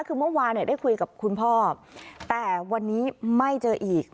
คือเมื่อวานเนี่ยได้คุยกับคุณพ่อแต่วันนี้ไม่เจออีก